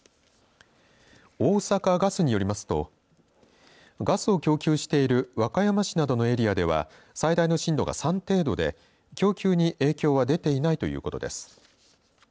大阪ガスによりますとガスを供給している和歌山市などのエリアでは最大の震度が３程度で供給に影響は出ていないということです。